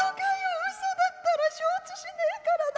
うそだったら承知しねえからな。